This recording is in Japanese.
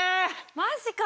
マジか！